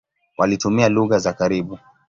Walitumia lugha za karibu.